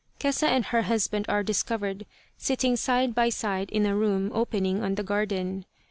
Kesa and her husband are discovered sitting side by side in a room opening on the garden.